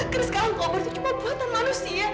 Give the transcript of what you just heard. keraskan angkobar itu cuma buatan manusia